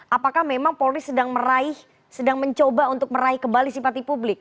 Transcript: apakah memang polri sedang meraih sedang mencoba untuk meraih kembali simpati publik